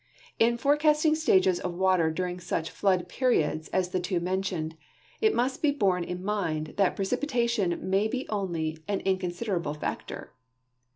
In forecasting stages of water during such flood j)eriods as the two mentioned, it must be borne in mind that precipitation may be onU' an inconsiderable factor.